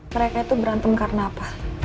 mereka itu berantem karena apa